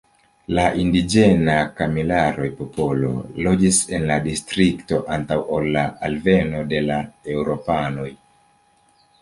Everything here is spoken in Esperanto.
La indiĝena Kamilaroj-popolo loĝis en la distrikto antaŭ ol la alveno de la eŭropanoj.